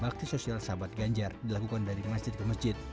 makti sosial sahabat ganggar dilakukan dari masjid ke masjid